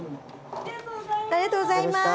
ありがとうございます。